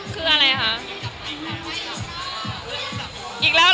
การรับชีวิตเรียกอีกแล้วเหรอ